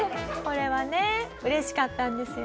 これはね嬉しかったんですよね？